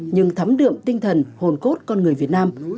nhưng thấm đượm tinh thần hồn cốt con người việt nam